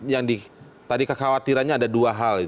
yang tadi kekhawatirannya ada dua hal